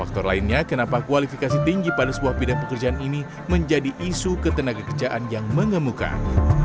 atau lainnya kenapa kualifikasi tinggi pada sebuah bidang pekerjaan ini menjadi isu ketenagakerjaan yang mengemukkan